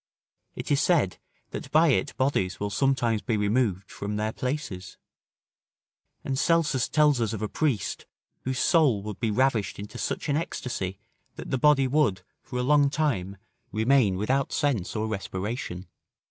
It is said, that by it bodies will sometimes be removed from their places; and Celsus tells us of a priest whose soul would be ravished into such an ecstasy that the body would, for a long time, remain without sense or respiration.